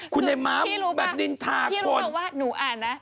คุณไอ้ม้าแบบนินทาคนพี่รู้ป่ะพี่รู้ป่ะว่าหนูอ่านนะ